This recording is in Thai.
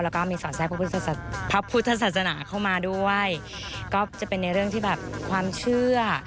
แล้วก็มีสอดแทรกพระพุทธศาสนาเข้ามาด้วยก็จะเป็นในเรื่องที่แบบความเชื่อ